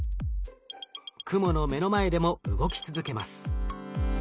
クモの目の前でも動き続けます。